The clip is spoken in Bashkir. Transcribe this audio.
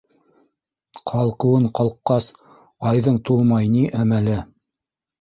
Ҡалҡыуын ҡалҡҡас, айҙың тулмай ни әмәле?